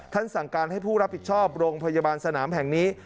สั่งการให้ผู้รับผิดชอบโรงพยาบาลสนามแห่งนี้